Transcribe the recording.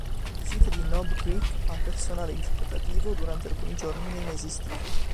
Il sito di Knob Creek ha personale interpretativo durante alcuni giorni nei mesi estivi.